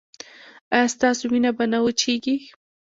ایا ستاسو وینه به نه وچیږي؟